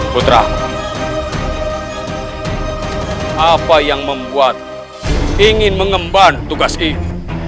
putra apa yang membuat ingin mengemban tugas ini